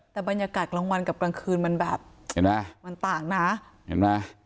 แต่บรรยากาศกลางวันกับกลางคืนมันแบบมันต่างนะฮะเห็นมั้ย